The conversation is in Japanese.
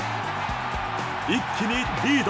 一気にリード。